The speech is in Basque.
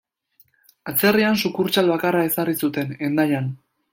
Atzerrian sukurtsal bakarra ezarri zuten, Hendaian.